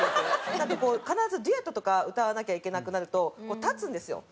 なんかこう必ずデュエットとか歌わなきゃいけなくなると立つんですよ。